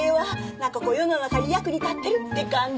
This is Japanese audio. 何かこう世の中に役に立ってるって感じ。